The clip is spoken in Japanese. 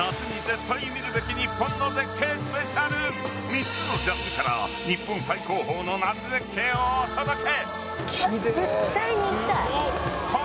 ３つのジャンルから日本最高峰の夏絶景をお届け。